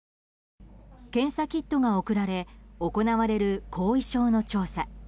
検査キットが送られ行われる後遺症の調査。